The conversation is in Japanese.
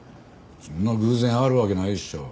そんな偶然あるわけないでしょ。